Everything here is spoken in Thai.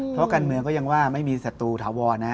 เพราะการเมืองก็ยังว่าไม่มีศัตรูถาวรนะ